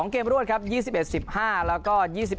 เกมรวดครับ๒๑๑๕แล้วก็๒๑